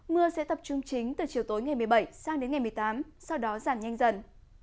mưa sẽ tập trung chính từ chiều tối ngày một mươi bảy sang đến ngày một mươi tám sau đó giảm nhanh dần